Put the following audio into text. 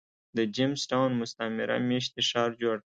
د جېمز ټاون مستعمره مېشتی ښار جوړ کړ.